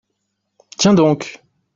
Tiens donc !